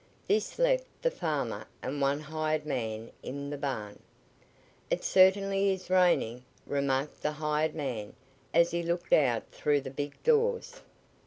This left the farmer and one hired man in the barn. "It certainly is rainin'," remarked the hired man as he looked out through the big doors.